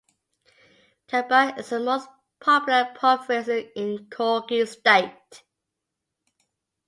Kabba is the most popular province in Kogi state.